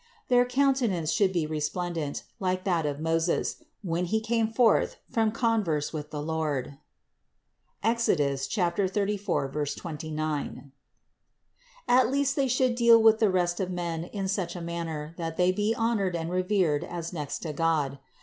Their countenance should be resplendent, like that of Moses, when he came forth from converse with the Lord (Exod. 34, 29). At least they should deal with the rest of men in such a manner that they be honored and revered as next to God.